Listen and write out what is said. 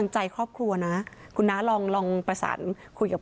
ยับหนูได้ไหม